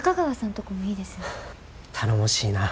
頼もしいな。